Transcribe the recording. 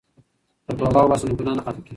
که توبه وباسو نو ګناه نه پاتې کیږي.